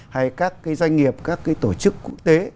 hay các cái doanh nghiệp các cái tổ chức quốc tế